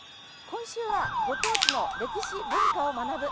今週は「ご当地の歴史・文化を学ぶ」。